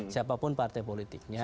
siapapun partai politiknya